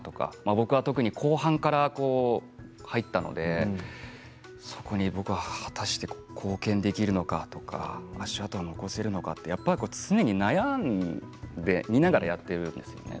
僕は特に後半から入ったのでそこに僕は果たして貢献できるのかとか足跡を残せるのかとか常に悩んでいながらやってるんですよね。